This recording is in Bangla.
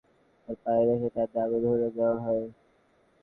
ফটক থেকে ক্যাম্পাসে যাওয়ার পথে টায়ার রেখে তাতে আগুন ধরিয়ে দেওয়া হয়।